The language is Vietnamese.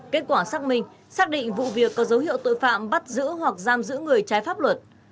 kết quả xác minh xác định vụ việc có dấu hiệu tội phạm bắt giữ hoặc giam giữ người trái pháp luật